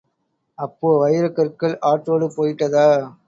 அப்போ, வைரக் கற்கள் ஆற்றோடு போயிட்டதா?